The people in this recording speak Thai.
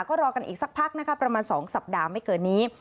ก็รอกันอีกสักพักนะคะประมาณ๒สัปดาห์ไม่เกินนี้